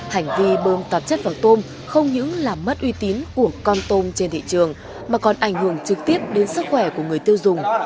hành vi bơm tạp chất vào tôm không những làm mất uy tín của con tôm trên thị trường mà còn ảnh hưởng trực tiếp đến sức khỏe của người tiêu dùng